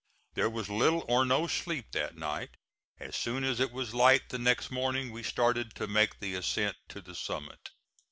There was little or no sleep that night. As soon as it was light the next morning, we started to make the ascent to the summit.